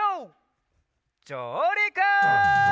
じょうりく！